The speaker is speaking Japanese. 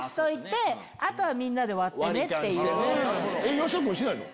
芳雄君しないの？